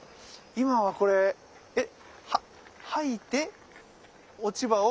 今はこれ掃いて落ち葉を？